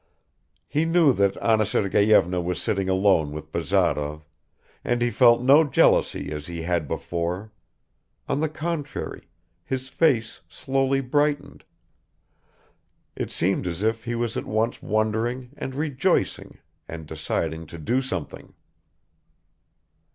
He knew that Anna Sergeyevna was sitting alone with Bazarov, and he felt no jealousy as he had before; on the contrary, his face slowly brightened; it seemed as if he was at once wondering and rejoicing and deciding to do something.